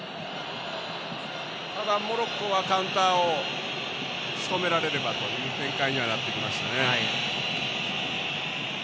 ただモロッコはカウンターをしとめられればという展開にはなってきましたね。